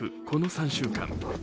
この３週間。